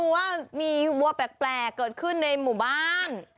ว่ามีวัวแปลกเกิดขึ้นในหมู่บ้าน